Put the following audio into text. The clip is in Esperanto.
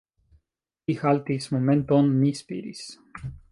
Li haltis momenton; mi spiris.